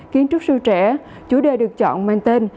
kiến trúc sư trẻ chủ đề được chọn mang tên